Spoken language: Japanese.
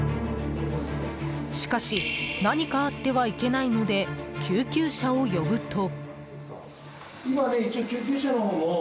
しかし何かあってはいけないので救急車を呼ぶと。